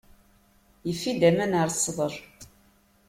Yeffi-d aman ɣer sḍel.